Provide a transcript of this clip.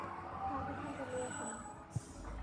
তাহাকে সঙ্গে লইয়াছিলাম।